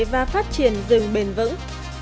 và phát triển rừng bền vững